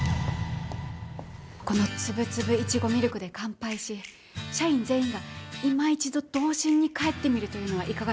このつぶつぶいちごミルクで乾杯し社員全員がいま一度童心に返ってみるというのはいかがでしょうか。